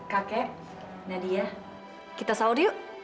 kakek nadia kita saudi yuk